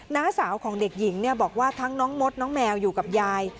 น้าสาวของเด็กหญิงบอกว่าทั้งน้องมดน้องแมวอยู่กับยาย